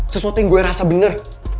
sesuatu yang gue rasa benar